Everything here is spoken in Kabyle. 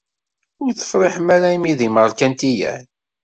Ur tefṛiḥem ara imi d imerkantiyen?